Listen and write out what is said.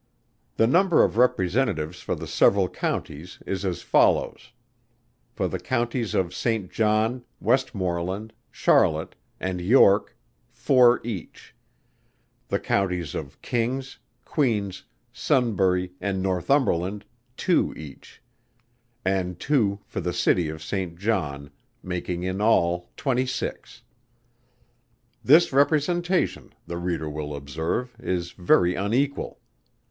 The number of Representatives for the several Counties is as follows: For the Counties of St. John, Westmorland, Charlotte, and York, four each; the Counties of King's, Queen's, Sunbury and Northumberland, two each; and two for the City of St. John, making in all twenty six. This representation, the reader will observe, is very unequal.